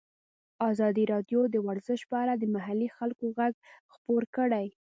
ازادي راډیو د ورزش په اړه د محلي خلکو غږ خپور کړی.